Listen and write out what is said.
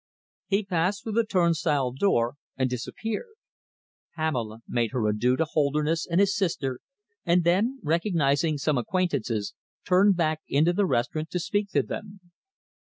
He passed through the turnstile door and disappeared. Pamela made her adieux to Holderness and his sister, and then, recognising some acquaintances, turned back into the restaurant to speak to them.